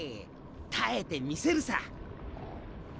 耐えてみせるさ！